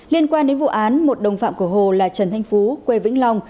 liên quan đến vụ án một đồng phạm của hồ là trần thanh phú quê vĩnh long